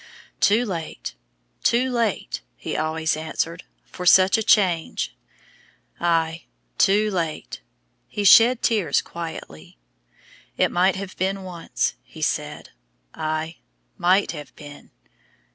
"Too late! too late!" he always answered, "for such a change." Ay, TOO LATE. He shed tears quietly. "It might have been once," he said. Ay, MIGHT have been.